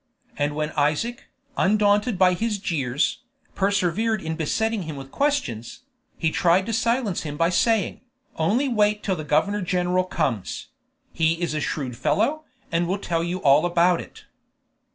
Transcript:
And when Isaac, undaunted by his jeers, persevered in besetting him with questions, he tried to silence him by saying, "Only wait till the governor general comes; he is a shrewd fellow, and will tell you all about it."